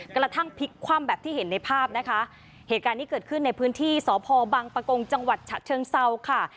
กระทั่งพลิกคว่ำแบบที่เห็นในภาพนะคะเหตุการณ์ที่เกิดขึ้นในพื้นที่สพบังปะกงจังหวัดฉะเชิงเซาค่ะ